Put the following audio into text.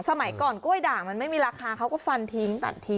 สมัยก่อนกล้วยด่างมันไม่มีราคาเขาก็ฟันทิ้งตัดทิ้ง